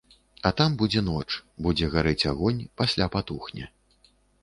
А там будзе ноч, будзе гарэць агонь, пасля патухне.